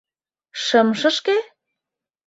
Шымшышке?